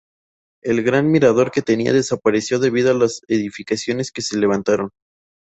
El gran mirador que tenía desapareció debido a las edificaciones que se levantaron.